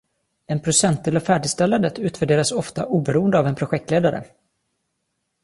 En procentdel av färdigställandet utvärderas ofta oberoende av en projektledare.